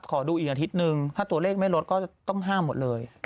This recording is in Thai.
ขอดูอีกอาทิตย์นึงถ้าตัวเลขไม่ลดก็ต้องห้ามหมดเลย